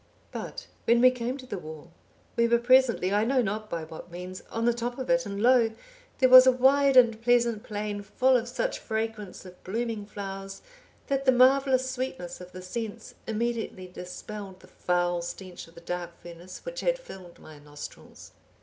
But when we came to the wall, we were presently, I know not by what means, on the top of it, and lo! there was a wide and pleasant plain full of such fragrance of blooming flowers that the marvellous sweetness of the scents immediately dispelled the foul stench of the dark furnace which had filled my nostrils.